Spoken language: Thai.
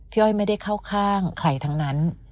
อ้อยไม่ได้เข้าข้างใครทั้งนั้น